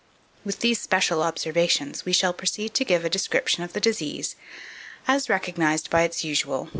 With these special observations, we shall proceed to give a description of the disease, as recognized by its usual 2549.